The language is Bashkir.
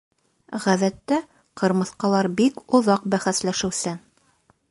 Ғәҙәттә, ҡырмыҫҡалар бик оҙаҡ бәхәсләшеүсән.